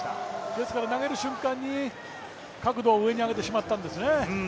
ですから投げる瞬間に角度を上に上げてしまったんですね。